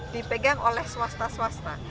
dipegang oleh swasta swasta